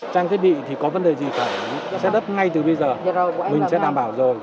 trang thiết bị thì có vấn đề gì cả xét đất ngay từ bây giờ mình sẽ đảm bảo rồi